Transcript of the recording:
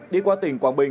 đi qua tỉnh quảng bình